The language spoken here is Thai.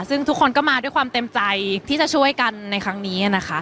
ซึ่งทุกคนก็มาด้วยความเต็มใจที่จะช่วยกันในครั้งนี้นะคะ